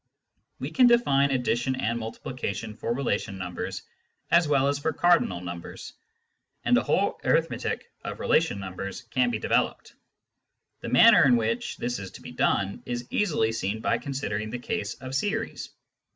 We can define addition and multiplication for relation numbers as well as for cardinal numbers, and a whole arithmetic of relation numbers can be developed. The manner in which this is to be done is easily seen by considering the case of series.